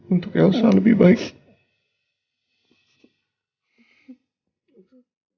untuk elsa lebih baik